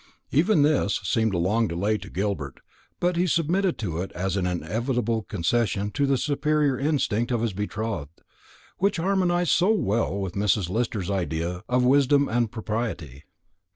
Even this seemed a long delay to Gilbert; but he submitted to it as an inevitable concession to the superior instinct of his betrothed, which harmonised so well with Mrs. Lister's ideas of wisdom and propriety.